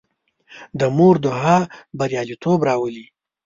د مور دعا بریالیتوب راولي.